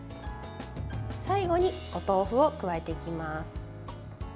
最後にお豆腐を加えていきます。